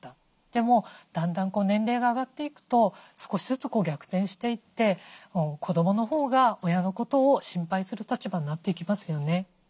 でもだんだん年齢が上がっていくと少しずつ逆転していって子どものほうが親のことを心配する立場になっていきますよね。